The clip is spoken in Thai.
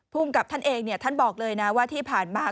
กับท่านเองท่านบอกเลยนะว่าที่ผ่านมา